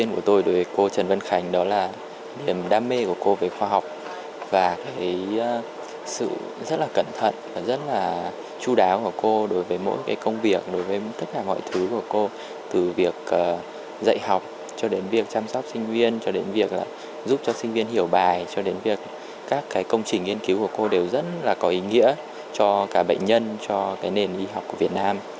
cả bệnh nhân cho nền y học của việt nam